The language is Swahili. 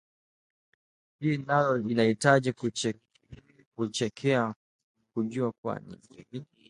Hili nalo linahitaji chekechea kujua kuwa ni jinai?